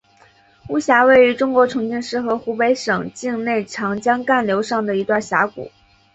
巫峡位于中国重庆市和湖北省境内长江干流上的一段峡谷。